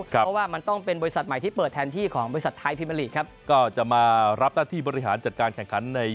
เพราะว่ามันต้องเป็นบริษัทใหม่ที่เปิดแทนที่ของบริษัทไทยพรีเมอร์ลีกครับก็จะมารับหน้าที่บริหารจัดการแข่งขันใน